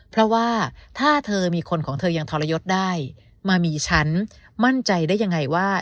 เพราะว่าถ้าเธอมีคนของเธอยังทรยศได้มามีฉันมั่นใจได้ยังไงว่า